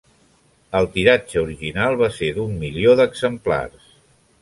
El tiratge original va ser d'un milió d'exemplars.